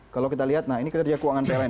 kalau kita lihat ini kerja keuangan pln